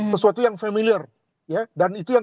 sesuatu yang familiar dan itu yang